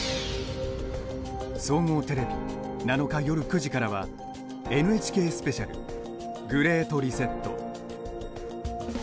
総合テレビ７日、夜９時からはＮＨＫスペシャル「グレート・リセット」。